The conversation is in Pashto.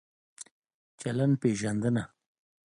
چلند پېژندنه